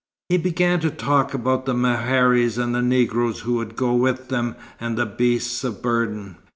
He began to talk about the meharis and the Negroes who would go with them and the beasts of burden.